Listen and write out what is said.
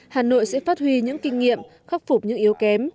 hà nội sẽ phát huy những kinh nghiệm khắc phục những yếu kém